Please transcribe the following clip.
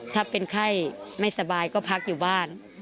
ถ้าเป็นไข้ไม่สบายก็พักอยู่บ้าน